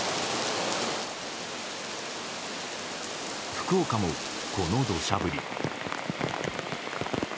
福岡も、この土砂降り。